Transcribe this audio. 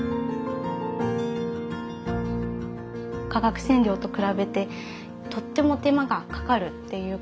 化学染料と比べてとっても手間がかかるっていうこと。